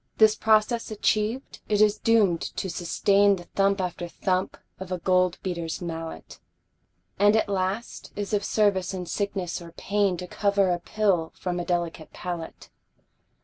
This process achiev'd, it is doom'd to sustain The thump after thump of a gold beater's mallet, And at last is of service in sickness or pain To cover a pill from a delicate palate.